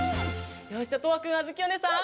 よしじゃとわくんあづきおねえさん